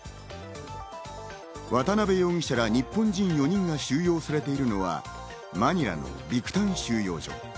渡辺容疑者ら日本人４人が収容されているのはマニラのビクタン収容所。